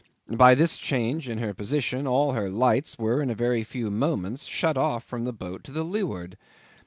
By this change in her position all her lights were in a very few moments shut off from the boat to leeward.